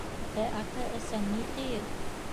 — Ә ата-әсәң ни тиер?